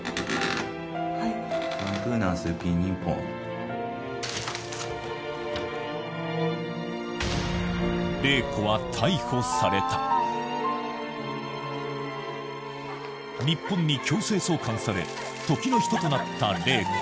はい玲子は逮捕された日本に強制送還され時の人となった玲子